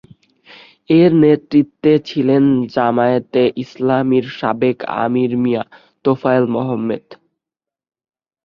এর নেতৃত্বে ছিলেন জামায়াতে ইসলামীর সাবেক আমীর মিয়াঁ তোফায়েল মোহাম্মদ।